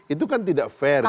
itu kan tidak fair